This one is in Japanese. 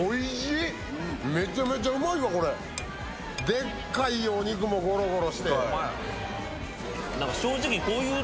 でっかいお肉もゴロゴロして。